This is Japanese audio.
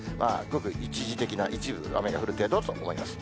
ごく一時的な、一部、雨が降る程度と思います。